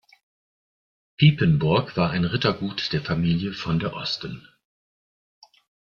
Piepenburg war ein Rittergut der Familie von der Osten.